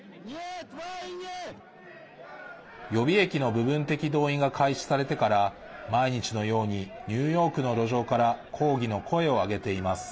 予備役の部分的動員が開始されてから毎日のようにニューヨークの路上から抗議の声を上げています。